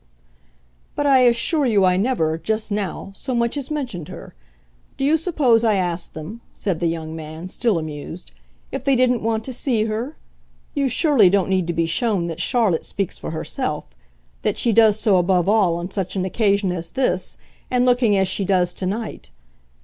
"But I assure you I never, just now, so much as mentioned her. Do you suppose I asked them," said the young man, still amused, "if they didn't want to see her? You surely don't need to be shown that Charlotte speaks for herself that she does so above all on such an occasion as this and looking as she does to night.